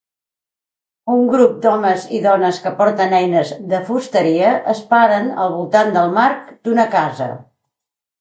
Un grup d'homes i dones que porten eines de fusteria es paren al voltant del marc d'una casa